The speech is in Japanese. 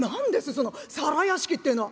その皿屋敷ってえのは」。